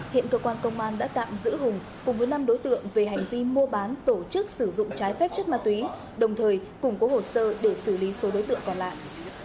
hiện cơ quan công an đã tạm giữ hùng cùng với năm đối tượng về hành vi mua bán tổ chức sử dụng trái phép chất ma túy đồng thời củng cố hồ sơ để xử lý số đối tượng còn lại